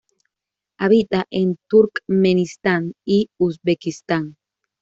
Habita en Turkmenistán y Uzbekistán.